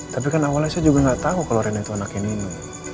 tapi kan awalnya saya juga gak tau kalau reina itu anaknya nino